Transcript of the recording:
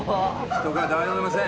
人が誰もいません。